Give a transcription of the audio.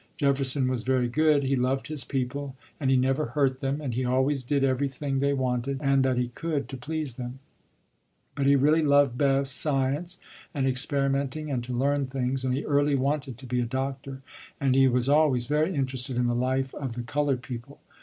Jefferson was very good. He loved his people and he never hurt them, and he always did everything they wanted and that he could to please them, but he really loved best science and experimenting and to learn things, and he early wanted to be a doctor, and he was always very interested in the life of the colored people.